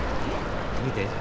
見て。